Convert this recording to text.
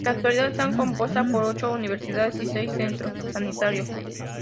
En la actualidad, está compuesta por ocho universidades y seis centros sanitarios.